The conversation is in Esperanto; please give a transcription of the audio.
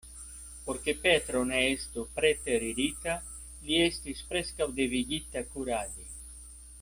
Por ke Petro ne estu preteririta, li estis preskaŭ devigita kuradi.